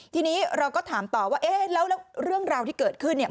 ทีนี้เราก็ถามต่อว่าเอ๊ะแล้วเรื่องราวที่เกิดขึ้นเนี่ย